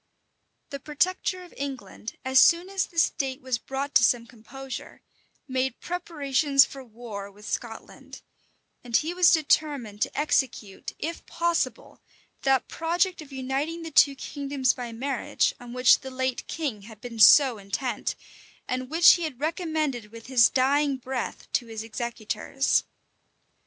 The protector of England, as soon as the state was brought to some composure, made preparations for war with Scotland; and he was determined to execute, if possible, that project of uniting the two kingdoms by marriage, on which the late king had been so intent, and which he had recommended with his dying breath to his executors.